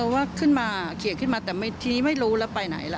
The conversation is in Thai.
ว่าขึ้นมาเขียนขึ้นมาแต่ทีนี้ไม่รู้แล้วไปไหนล่ะ